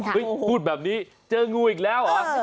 พูดแบบนี้เจองูอีกแล้วเหรอ